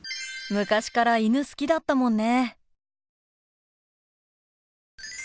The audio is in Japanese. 昔から犬好きだったもんね。